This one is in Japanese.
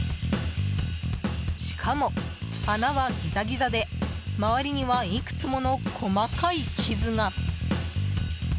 しかも、穴はギザギザで周りにはいくつもの細かい傷が。